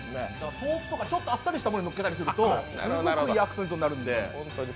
豆腐とかちょっとあっさりしたものにのせたりするとすごくいいアクセントになるんで。